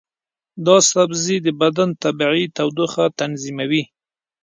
دا سبزی د بدن طبیعي تودوخه تنظیموي.